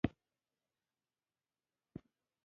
لوى استاد د پښتو ټول نثرونه پر اوو ډولونو وېشلي دي.